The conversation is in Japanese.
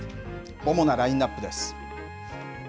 主なラインナップです。